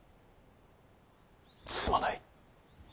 すまない。